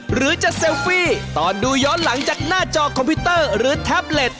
หรือจะเซลฟี่ตอนดูย้อนหลังจากหน้าจอคอมพิวเตอร์หรือแท็บเล็ต